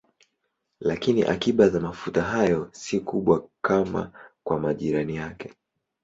Lakini akiba za mafuta hayo si kubwa kama kwa majirani yake.